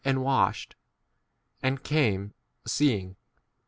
and washed, and came seeing.